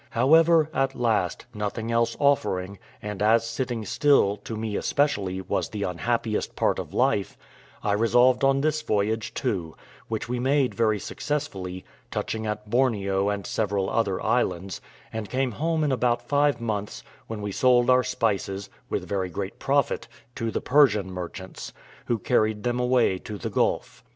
However, at last, nothing else offering, and as sitting still, to me especially, was the unhappiest part of life, I resolved on this voyage too, which we made very successfully, touching at Borneo and several other islands, and came home in about five months, when we sold our spices, with very great profit, to the Persian merchants, who carried them away to the Gulf.